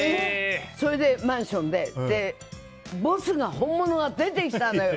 それでマンションでボスが、本物が出てきたのよ。